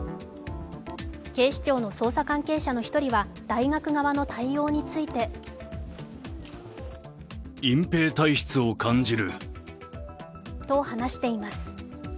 警視庁の捜査関係者の１人は大学側の対応についてと、話しています。